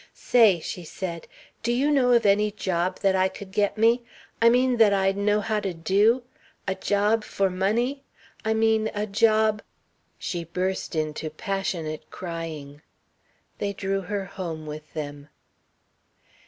"Say!" she said. "Do you know of any job that I could get me? I mean that I'd know how to do? A job for money.... I mean a job...." She burst into passionate crying. They drew her home with them.